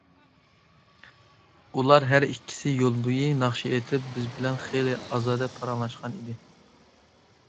ئۇلار ھەر ئىككىسى يول بويى ناخشا ئېيتىپ بىز بىلەن خېلى ئازادە پاراڭلاشقانىدى.